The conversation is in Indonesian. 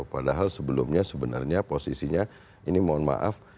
padahal sebelumnya sebenarnya posisinya ini mohon maaf